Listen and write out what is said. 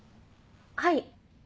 はい。